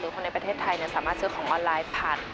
คนในประเทศไทยสามารถซื้อของออนไลน์ผ่าน